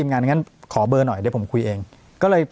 ปากกับภาคภูมิ